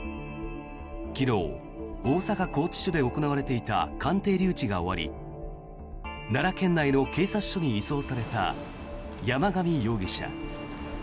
昨日、大阪拘置所で行われていた鑑定留置が終わり奈良県内の警察署に移送された山上容疑者。